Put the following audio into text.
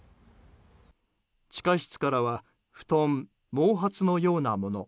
地下室からは布団、毛髪のようなもの